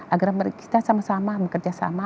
agar kita sama sama bekerja sama